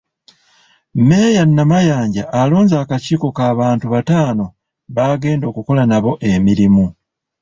Mmeeya Namayanja alonze akakiiko k’abantu bataano baagenda okukola nabo emirimu .